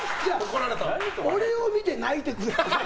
俺を見て泣いてくれ。